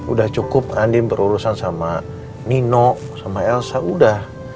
udah cukup andi berurusan sama nino sama elsa udah